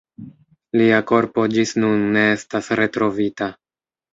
Lia korpo ĝis nun ne estas retrovita.